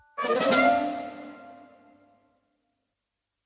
oh ini adalah putri yang sangat kasar